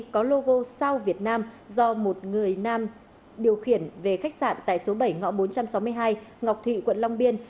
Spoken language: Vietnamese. có logo sao việt nam do một người nam điều khiển về khách sạn tại số bảy ngõ bốn trăm sáu mươi hai ngọc thụy quận long biên